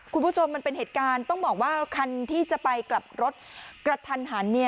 คุณผู้ชมมันเป็นเหตุการณ์ต้องบอกว่าคันที่จะไปกลับรถกระทันหัน